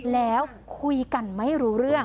แล้วคุยกันไม่รู้เรื่อง